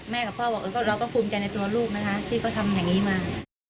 กับพ่อบอกเราก็ภูมิใจในตัวลูกนะคะที่เขาทำอย่างนี้มา